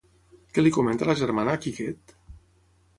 Què li comenta la germana a Quiquet?